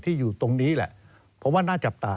อยู่ตรงนี้แหละเพราะว่าน่าจับตา